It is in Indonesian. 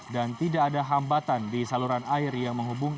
dan tidak ada hambatan di saluran air yang menghubungi